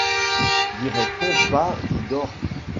Dirait-on pas qu'il dort ?